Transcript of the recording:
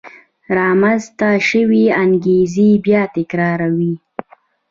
رامنځته شوې انګېزې بیا تکرار وې.